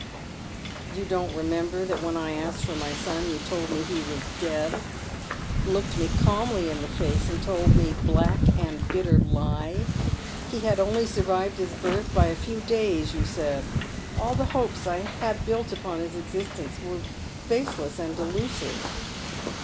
" You don't remember that when I asked for my son you told me he was dead, — looked me calmly in the face, and told me black and bitter lie. He had only survived his birth by a few days, you said. All the hopes I had built upon his existence were baseless and delusive.